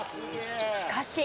しかし。